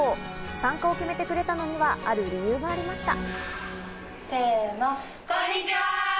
参加を決めてくれたのはある理由がありました。